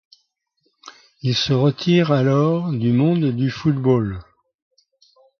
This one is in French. Il se retire alors du monde du football.